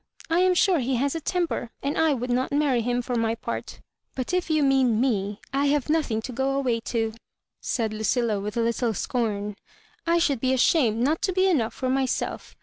I am sure he has a temper, and 1 would not marry him for my part But if you mean me, I have nothing to go away to," said Lucilla, with a little scorn. " I should be ashamed not to be enough for myself.